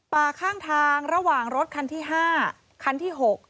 ข้างทางระหว่างรถคันที่๕คันที่๖